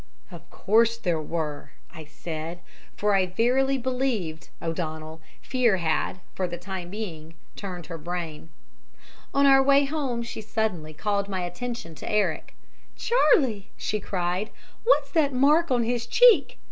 "'Of course there were,' I said for I verily believed, O'Donnell, fear had, for the time being, turned her brain. "On our way home she suddenly called my attention to Eric. "'Charlie,' she cried, 'what's that mark on his cheek?